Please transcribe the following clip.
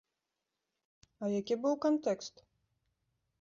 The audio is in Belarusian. А які быў кантэкст?